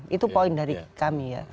itu poin dari kami ya